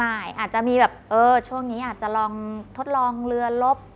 อาจจะลองทดลองเรือ